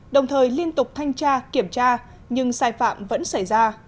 đồng thời liên tục thanh tra kiểm tra nhưng sai phạm vẫn xảy ra